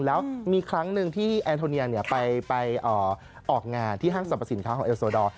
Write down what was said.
แล้วมีครั้งหนึ่งที่แอนโทเนียไปออกงานที่ห้างสรรพสินค้าของเอลโซดอร์